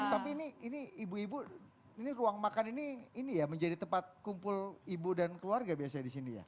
tapi ini ibu ibu ini ruang makan ini ini ya menjadi tempat kumpul ibu dan keluarga biasanya di sini ya